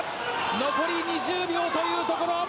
残り２０秒というところ。